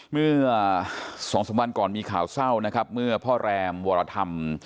เมื่อสองสามวันก่อนมีข่าวเศร้านะครับเมื่อพ่อแรมวรธรรม